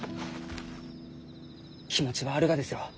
気持ちはあるがですろう？